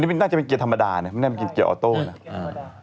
มันน่าจะเป็นเกียร์ธรรมดานะไม่ได้เป็นเกียร์ออโต้นะ